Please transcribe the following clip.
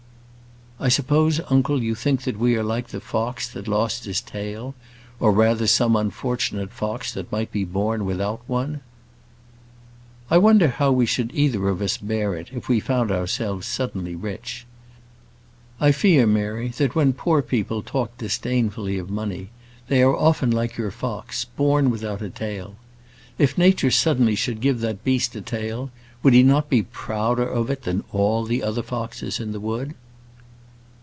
"I suppose, uncle, you think that we are like the fox that lost his tail, or rather some unfortunate fox that might be born without one." "I wonder how we should either of us bear it if we found ourselves suddenly rich. It would be a great temptation a sore temptation. I fear, Mary, that when poor people talk disdainfully of money, they often are like your fox, born without a tail. If nature suddenly should give that beast a tail, would he not be prouder of it than all the other foxes in the wood?"